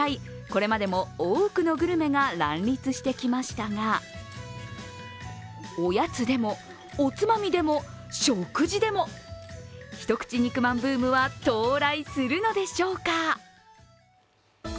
これまでも多くのグルメが乱立してきましたがおやつでも、おつまみでも食事でも一口肉まんブームは到来するのでしょうか。